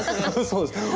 そうですね